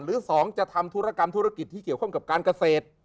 หรือ๒จะทำธุรกรรมธุรกิจที่เกี่ยวข้องกับการเกษตร